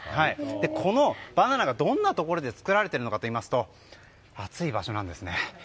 このバナナがどんなところで作られているかというと暑い場所なんですね。